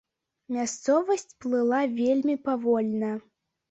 Мясцовасць плыла вельмі павольна.